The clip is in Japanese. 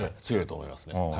強いと思いますね。